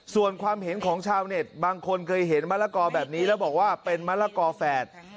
ส่วนความเห็นของชาวเน็ตบางคนเคยเห็นมะละกอแบบนี้แล้วบอกว่าเป็นมะละกอแฝด